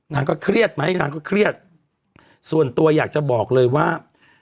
นางก็เครียดไหมนางก็เครียดส่วนตัวอยากจะบอกเลยว่า